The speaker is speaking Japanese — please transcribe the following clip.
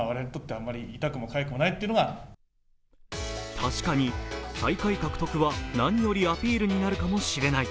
確かに最下位獲得は何よりアピールになるかもしれない。